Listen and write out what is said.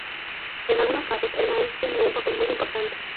En algunos casos el maíz tiene un papel muy importante.